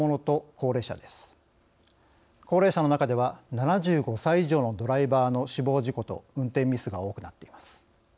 高齢者の中では７５歳以上のドライバーの死亡事故と運転ミスが多くなっています。